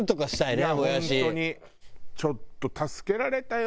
ちょっと助けられたよ